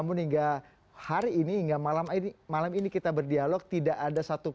jangan cepat cepat menjustifikasi